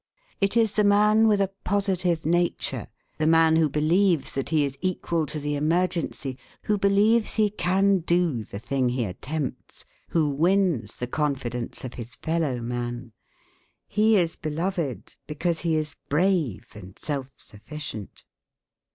It is the man with a positive nature, the man who believes that he is equal to the emergency, who believes he can do the thing he attempts, who wins the confidence of his fellow man. He is beloved because he is brave and self sufficient.